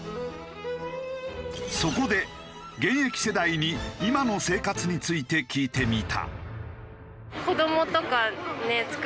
そこで現役世代に今の生活について聞いてみた。